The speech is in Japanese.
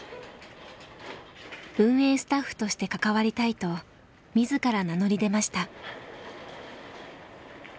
運営スタッフとして関わりたいと自ら名乗り出ました。